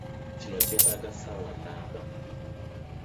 Kino kyetaaga ssaawa nnamba.